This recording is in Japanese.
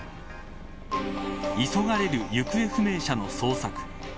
急がれる行方不明者の捜索。